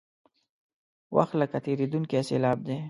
وخت لکه تېرېدونکې سیلاب دی.